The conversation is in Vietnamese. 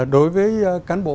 đối với cán bộ